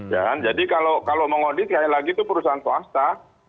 ya kan jadi kalau mengaudit kayak lagi itu perusahaan swasta